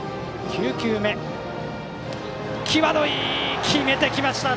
際どい、決めてきました。